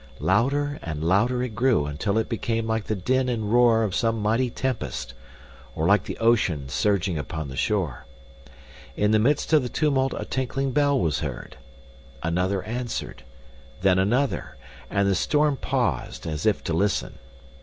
Louder and louder it grew until it became like the din and roar of some mighty tempest, or like the ocean surging upon the shore. In the midst of the tumult a tinkling bell was heard; another answered, then another, and the storm paused as if to listen.